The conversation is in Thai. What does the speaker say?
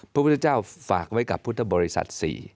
พระพุทธเจ้าฝากไว้กับพุทธบริษัท๔